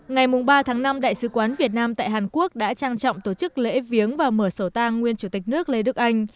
ngày ba tháng năm đại sứ quán việt nam tại hàn quốc đã trang trọng tổ chức lễ viếng và mở sổ tang nguyên chủ tịch nước lê đức anh